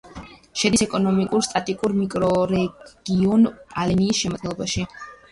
შედის ეკონომიკურ-სტატისტიკურ მიკრორეგიონ კაპელინიის შემადგენლობაში.